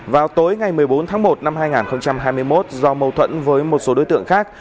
vào tối ngày một mươi bốn tháng một năm hai nghìn hai mươi một do mâu thuẫn với một số đối tượng khác